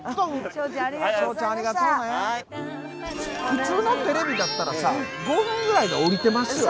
普通のテレビだったらさ５分ぐらいで降りてますよ。